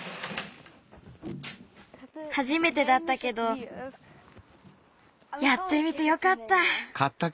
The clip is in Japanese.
はじめてだったけどやってみてよかった！